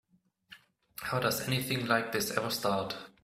How does anything like this ever start?